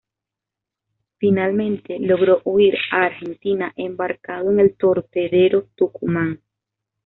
Finalmente logró huir a Argentina embarcado en el torpedero Tucumán.